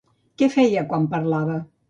Què feia quan parlava?